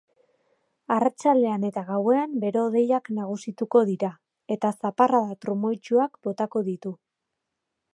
Arratsaldean eta gauean bero-hodeiak nagusituko dira, eta zaparrada trumoitsuak botako ditu.